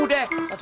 ganti ganti baju